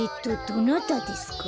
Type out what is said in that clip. どなたですか？